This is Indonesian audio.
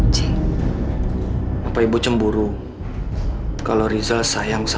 sampai jumpa di video selanjutnya